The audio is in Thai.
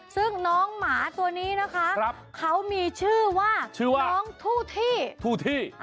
ซึ่งน้องหมาตัวนี้นะคะเขามีชื่อว่าน้องทู่ที่ทู่ที่